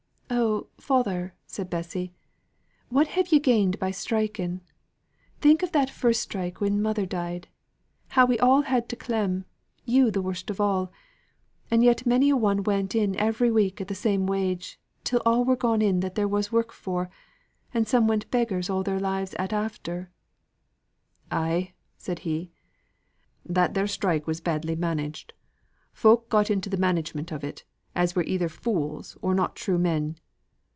"Oh, father!" said Bessy, "what have ye gained by striking? Just think of that first strike when mother died how we all had to clem you the worst of all; and yet many a one went in every week at the same wage, till all were gone in that there was work for; and some went beggars all their lives at after." "Ay," said he. "That there strike was badly managed. Folk got into th' management of it, as were either fools or not true men.